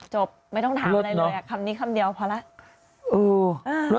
จบไม่ต้องถามอะไรเลยคำนี้คำเดียวพอแล้ว